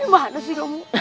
bahana sih kamu